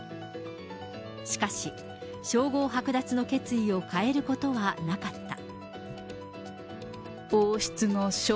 しかし、称号剥奪の決意を変えることはなかった。